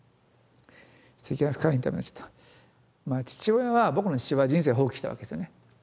父親は僕の父親は人生を放棄したわけですよね。